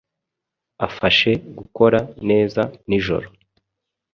afashe gukora neza nijoro